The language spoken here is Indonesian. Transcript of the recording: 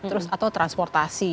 terus atau transportasi